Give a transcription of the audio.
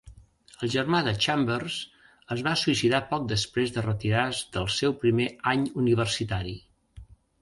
El germà de Chambers es va suïcidar poc després de retirar-se del seu primer any universitari.